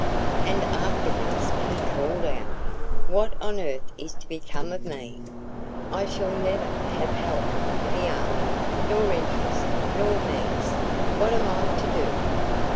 And afterwards he called out, 'what on earth is to become of me? I shall never have health for the army, nor interest, nor means; what am I to do?